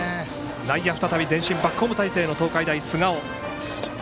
内野再び前進バックホーム態勢の東海大菅生。